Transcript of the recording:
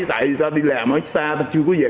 tại vì ta đi làm ở xa ta chưa có giải